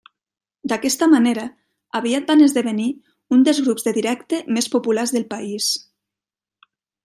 D'aquesta manera aviat van esdevenir un dels grups de directe més populars del país.